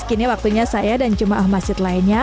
kini waktunya saya dan cuma ahmasit lainnya